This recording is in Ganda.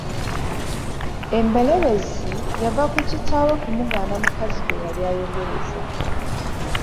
Emberebezi yava ku kitaawe kumugaana mukazi gwe yali ayogereza.